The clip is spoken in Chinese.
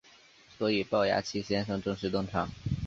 所以暴牙七先生正式登场。